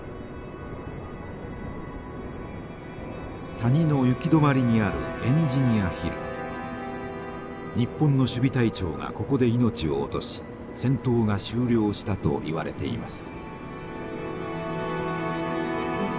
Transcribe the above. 谷の行き止まりにある日本の守備隊長がここで命を落とし戦闘が終了したといわれています。